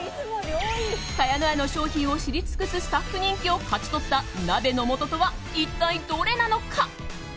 茅乃舎の商品を知り尽くすスタッフ人気を勝ち取った鍋の素とは、一体どれなのか。